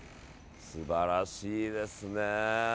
素晴らしいですね。